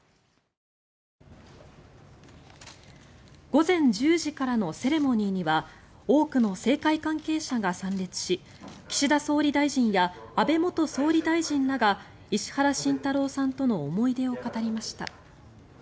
午前１０時からのセレモニーには多くの政界関係者が参列し岸田総理大臣や安倍元総理大臣らが石原慎太郎さんとの思い出を語りました。